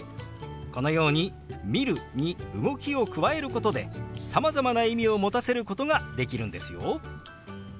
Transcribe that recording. このように「見る」に動きを加えることでさまざまな意味を持たせることができるんですよ。